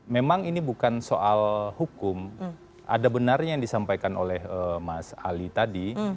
memang ini bukan soal hukum ada benarnya yang disampaikan oleh mas ali tadi